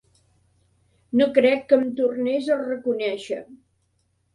No crec que em tornés a reconèixer.